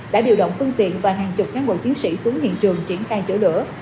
đã điều động phương tiện và hàng chục cán bộ chiến sĩ xuống hiện trường triển khai chữa lửa